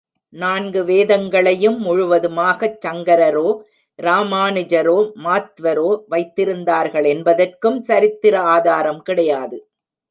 நான்கு வேதங்களையும் முழுவதுமாகச் சங்கரரோ, இராமானுஜரோ, மாத்வரோ வைத்திருந்தார்களென்பதற்கும் சரித்திர ஆதாரம் கிடையாது.